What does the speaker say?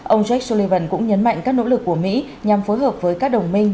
ông jake sullivan cũng nhấn mạnh các nỗ lực của mỹ nhằm phối hợp với các đồng minh